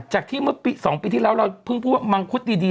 จากที่เมื่อ๒ปีที่แล้วเราเพิ่งพูดว่ามังคุดดี